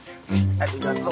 ありがとう。